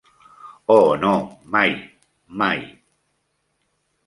Oh no, mai, mai!